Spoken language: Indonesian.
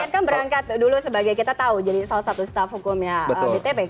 kan berangkat dulu sebagai kita tahu jadi salah satu staff hukumnya btp